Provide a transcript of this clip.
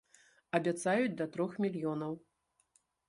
Абяцаюць да трох мільёнаў.